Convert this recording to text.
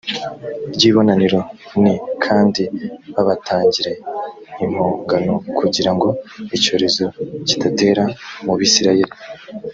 ry ibonaniro n kandi babatangire impongano kugira ngo icyorezo kidatera mu bisirayeli